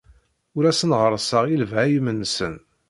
Ur asen-ɣerrseɣ i lebhayem-nsen.